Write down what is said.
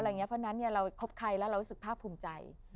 เพราะนั้นเข้าใครเราจะภูมิใจ